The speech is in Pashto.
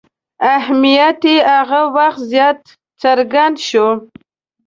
اهمیت یې هغه وخت زیات څرګند شو.